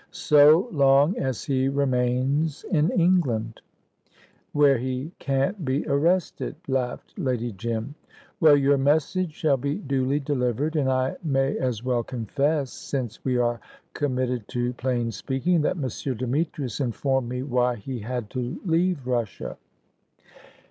"So long as he remains in England." "Where he can't be arrested," laughed Lady Jim. "Well, your message shall be duly delivered. And I may as well confess, since we are committed to plain speaking, that M. Demetrius informed me why he had to leave Russia."